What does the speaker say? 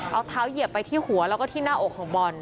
เอาเท้าเหยียบไปที่หัวแล้วก็ที่หน้าอกของบอล